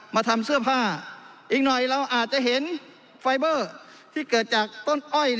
มาทำเสื้อผ้าอีกหน่อยเราอาจจะเห็นไฟเบอร์ที่เกิดจากต้นอ้อย